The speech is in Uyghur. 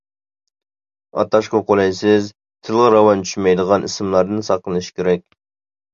ئاتاشقا قولايسىز، تىلغا راۋان چۈشمەيدىغان ئىسىملاردىن ساقلىنىش كېرەك.